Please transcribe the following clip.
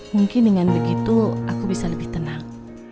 mungkin dengan begitu aku bisa lebih tenang